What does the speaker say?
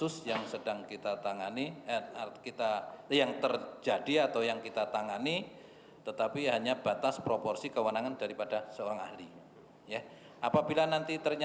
saya pikir sudah